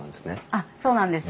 あっそうなんです。